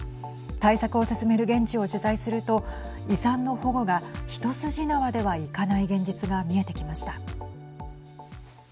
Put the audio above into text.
対策を進める現地を取材すると遺産の保護が一筋縄ではいかない現実が見えてきました。